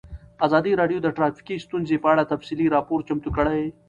ازادي راډیو د ټرافیکي ستونزې په اړه تفصیلي راپور چمتو کړی.